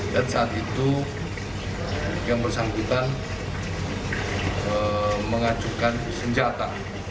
dan saat itu yang bersangkutan mengacukan senjata